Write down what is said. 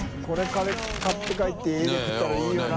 海買って帰って家で食ったらいいよな。